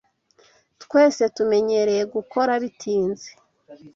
Twese tumenyereye gukora bitinze.